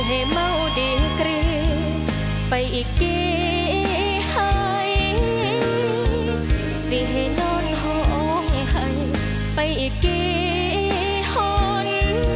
ฮ่อนบ่มีดีเกรียมท่องสิตายไปแล้ว